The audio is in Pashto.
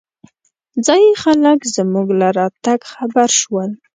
ځايي خلک زمونږ له راتګ خبر شول.